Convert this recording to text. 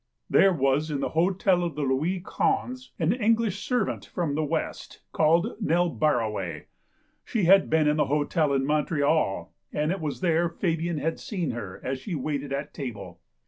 There was in the hotel of the Louis Ouinze an Eng lish servant from the west called Nell Barraway. She had been in a hotel in Montreal, and it was there Fabian had seen her as she waited at table.